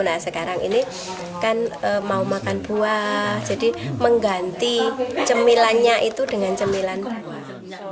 nah sekarang ini kan mau makan buah jadi mengganti cemilannya itu dengan cemilan buah